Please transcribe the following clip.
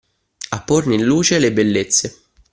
A porne in luce le bellezze